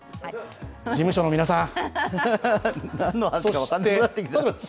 事務所の皆さん！